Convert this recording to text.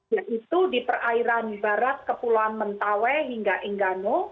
yaitu di perairan barat kepulauan mentawai hingga enggano